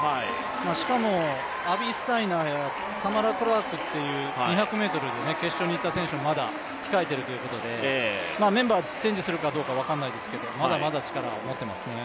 しかも、アビー・スタイナーやタマラ・クラークっていう２００ｍで決勝に行った選手がまだ控えているということでメンバーチェンジするかどうか分からないですけどまだまだ力を持っていますね。